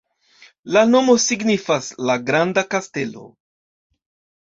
La nomo signifas: "la granda kastelo".